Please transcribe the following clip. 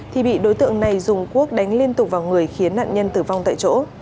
thì bị đối tượng này dùng quốc đánh liên tục vào người khiến nạn nhân tử vong tại chỗ